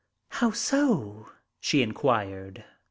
"How so?" she inquired.